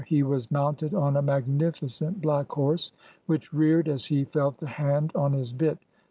He was mounted on a magnificent black horse, which reared as he felt the hand on his bit.